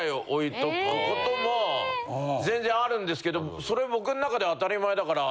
ことも全然あるんですけどそれ僕の中で当たり前だから。